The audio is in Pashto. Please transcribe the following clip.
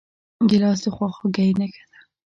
ګیلاس د خواخوږۍ نښه ده.